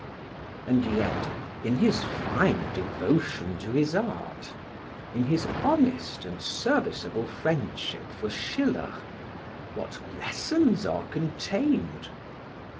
And yet in his fine devotion to his art, in his honest and serviceable friendship for Schiller, what lessons are contained!